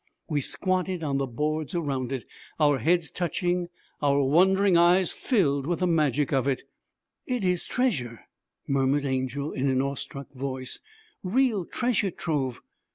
We squatted on the boards around it, our heads touching, our wondering eyes filled with the magic of it. 'It is treasure,' murmured Angel, in an awe struck voice, 'real treasure trove.